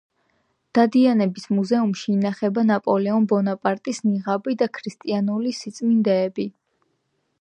დადიანების მუზეუმში ინახება ნაპოლეონ ბონაპარტის ნიღაბი და ქრისტიანული სიწმინდეები.